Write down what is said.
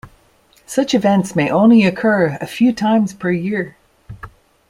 Such events may only occur a few times per year.